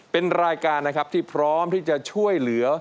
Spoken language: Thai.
เป็นรายการนะครับที่พร้อมที่จะช่วยเหลือ